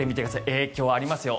影響ありますよ。